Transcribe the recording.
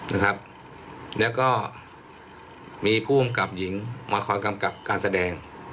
นะครับแล้วก็มีผู้กำกับหญิงมาคอยกำกับการแสดง